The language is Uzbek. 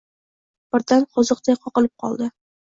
Birdan qoziqday qoqilib qoldi.